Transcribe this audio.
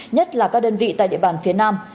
nhất là các đơn vị tại địa bàn phía nam